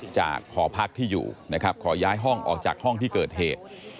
หอพักที่อยู่นะครับขอย้ายห้องออกจากห้องที่เกิดเหตุ